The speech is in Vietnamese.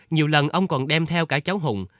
nhiều lần ông còn đem theo cả cháu hùng